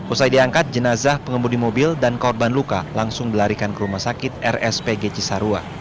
usai diangkat jenazah pengemudi mobil dan korban luka langsung dilarikan ke rumah sakit rspg cisarua